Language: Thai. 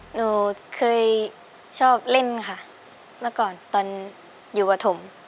หนูเคยชอบเล่นค่ะมาก่อนตอนอยู่อธมศ์